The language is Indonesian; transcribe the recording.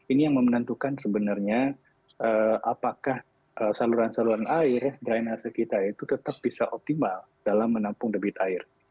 ini yang memenentukan sebenarnya apakah saluran saluran air drainase kita itu tetap bisa optimal dalam menampung debit air